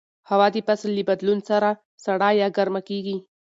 هوا د فصل له بدلون سره سړه یا ګرمه کېږي